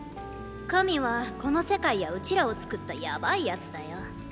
神はこの世界やうちらをつくったやばい奴だよ。